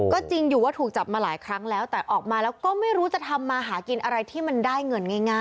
ก็จริงอยู่ว่าถูกจับมาหลายครั้งแล้วแต่ออกมาแล้วก็ไม่รู้จะทำมาหากินอะไรที่มันได้เงินง่าย